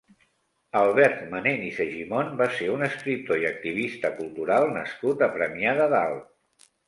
Albert Manent i Segimon va ser un escriptor i activista cultural nascut a Premià de Dalt.